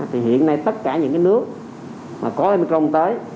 thì hiện nay tất cả những nước mà có omicron tới